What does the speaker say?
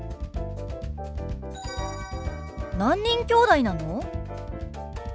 何人きょうだいなの？